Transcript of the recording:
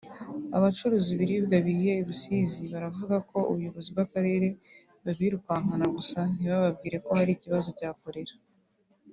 abacuruza ibiribwa bihiye i Rusizi baravuga ko ubuyobozi bw’akarere bubirukankana gusa ntibubabwire ko hari ikibazo cya kolera